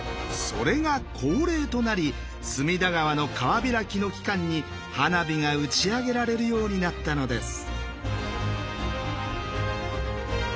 それが恒例となり隅田川の川開きの期間に花火が打ち上げられるようになったのです。